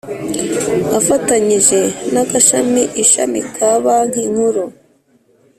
afatanyije n Agashami Ishami ka banki nkuru